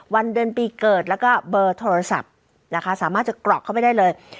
วันเดือนปีเกิดแล้วก็เบอร์โทรศัพท์นะคะสามารถจะกรอกเข้าไปได้เลย